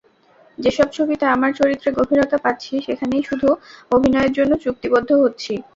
যেসব ছবিতে আমার চরিত্রে গভীরতা পাচ্ছি, সেখানেই শুধু অভিনয়ের জন্য চুক্তিবদ্ধ হচ্ছি।